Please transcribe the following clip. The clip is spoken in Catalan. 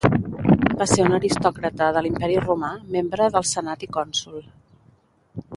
Va ser un aristòcrata de l'Imperi Romà, membre del Senat i Cònsol.